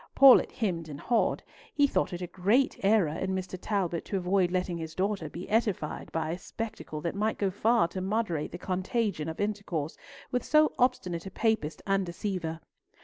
Paulett hemmed and hawed. He thought it a great error in Mr. Talbot to avoid letting his daughter be edified by a spectacle that might go far to moderate the contagion of intercourse with so obstinate a Papist and deceiver.